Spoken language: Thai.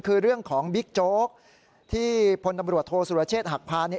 คือเรื่องของบิ๊กโจ๊กที่พลตำรวจโทษสุรเชษฐ์หักพานี้